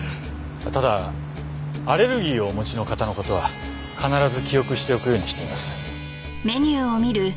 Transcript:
ただアレルギーをお持ちの方の事は必ず記憶しておくようにしています。